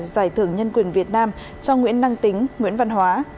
giải thưởng nhân quyền việt nam cho nguyễn năng tính nguyễn văn hóa